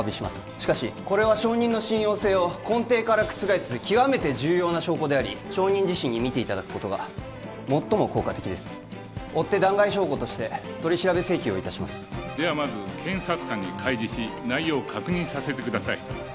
しかしこれは証人の信用性を根底から覆す極めて重要な証拠であり証人自身に見ていただくことが最も効果的ですおって弾劾証拠として取り調べ請求をいたしますではまず検察官に開示し内容を確認させてください